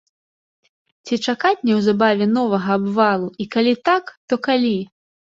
Ці чакаць неўзабаве новага абвалу і калі так, то калі?